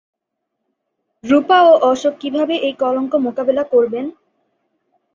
রুপা ও অশোক কীভাবে এই কলঙ্ক মোকাবেলা করবেন?